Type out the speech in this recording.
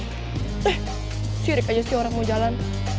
eh sirik aja sih orang mau jalan